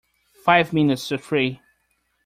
Five minutes to three!